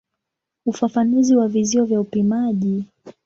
Ufafanuzi wa vizio vya upimaji.